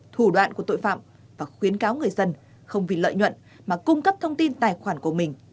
thủ đoạn của tội phạm và khuyến cáo người dân không vì lợi nhuận mà cung cấp thông tin tài khoản của mình